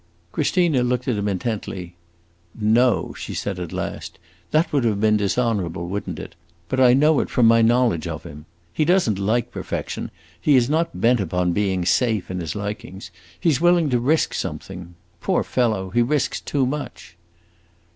Christina looked at him intently. "No!" she said at last. "That would have been dishonorable, would n't it? But I know it from my knowledge of him. He does n't like perfection; he is not bent upon being safe, in his likings; he 's willing to risk something! Poor fellow, he risks too much!"